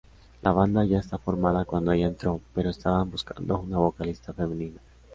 La banda ya estaba formada cuando ella entró, pero estaban buscando una vocalista femenina.